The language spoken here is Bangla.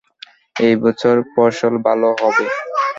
এই বছর ফসল ভালো হবে।